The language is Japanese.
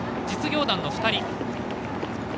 実業団の２人。